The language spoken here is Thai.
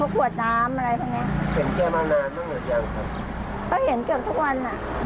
แกจะเข็น